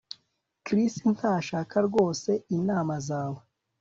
Chris ntashaka rwose inama zawe